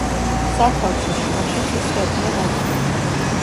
სათავსის შუაში ხის სვეტია დადგმული.